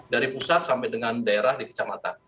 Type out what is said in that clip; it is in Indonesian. dari pusat sampai dengan daerah di kecamatan